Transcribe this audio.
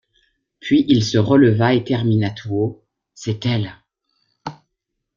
Puis il se releva et termina tout haut: — C’est elle!